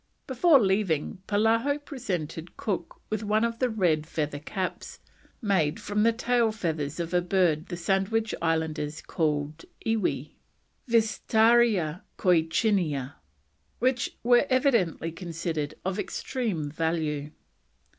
Before leaving, Polaho presented Cook with one of the red feather caps made from the tail feathers of the bird the Sandwich Islanders call Iiwi (Vestiaria coicinea), which were evidently considered of extreme value.